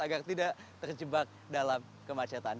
agar tidak terjebak dalam kemacetan